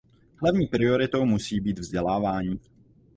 Hlavní prioritou musí být vzdělávání.